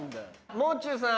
「もう中」さん。